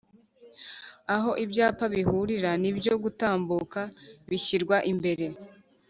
Aho ibyapa bihurira n’ibyo gutambuka bishyirwa imbere